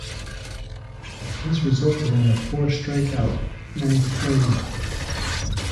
This resulted in a four-strikeout ninth inning.